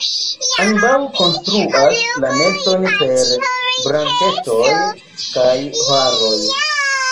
Ambaŭ konstruas la neston per branĉetoj kaj haroj.